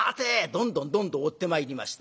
どんどんどんどん追ってまいりました。